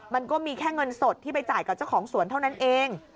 มันก็มีแค่เงินสดที่ไปจ่ายกับเจ้าของสวนเท่านั้นเอง